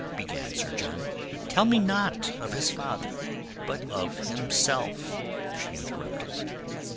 began Sir John. "Tell me not of his father, but of himself," she interrupted.